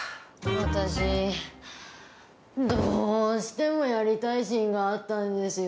私どうしてもやりたいシーンがあったんですよね。